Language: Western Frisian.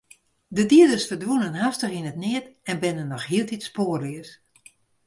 De dieders ferdwûnen hastich yn it neat en binne noch hieltyd spoarleas.